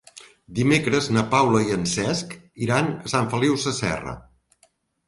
Dimecres na Paula i en Cesc iran a Sant Feliu Sasserra.